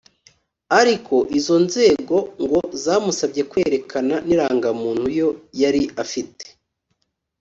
ariko izo nzego ngo zamusabye kwerekana n’irangamuntu yo yari ayifite